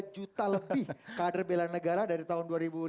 delapan puluh tiga juta lebih kader bela negara dari tahun dua ribu lima belas